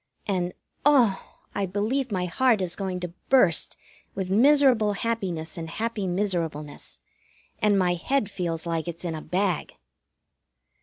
And oh! I believe my heart is going to burst with miserable happiness and happy miserableness, and my head feels like it's in a bag.